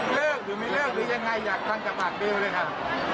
เลือกหรือไม่เลือกหรือยังไงอยากล้างจากพาดเบลเลยครับ